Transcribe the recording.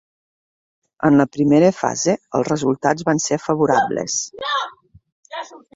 En la primera fase, els resultats van ser favorables.